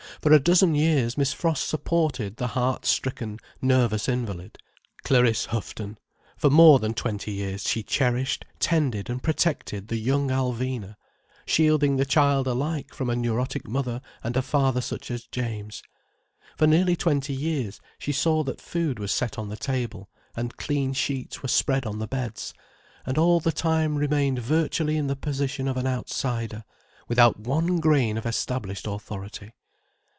For a dozen years Miss Frost supported the heart stricken, nervous invalid, Clariss Houghton: for more than twenty years she cherished, tended and protected the young Alvina, shielding the child alike from a neurotic mother and a father such as James. For nearly twenty years she saw that food was set on the table, and clean sheets were spread on the beds: and all the time remained virtually in the position of an outsider, without one grain of established authority.